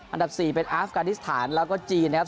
อันดับ๔เป็นอาฟกานิสถานแล้วก็จีนนะครับ